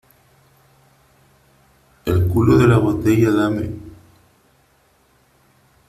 el culo de la botella . dame .